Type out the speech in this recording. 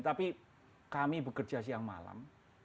tapi kami bekerja siang malam